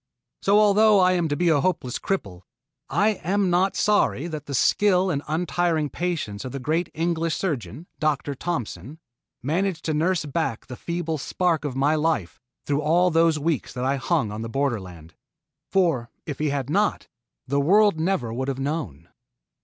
So, although I am to be a hopeless cripple, yet I am not sorry that the skill and untiring patience of the great English surgeon, Dr. Thompson, managed to nurse back the feeble spark of my life through all those weeks that I hung on the borderland; for if he had not, the world never would have known.